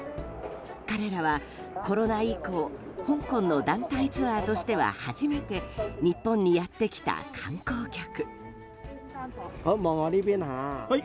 彼らはコロナ以降香港の団体ツアーとしては初めて日本にやってきた観光客。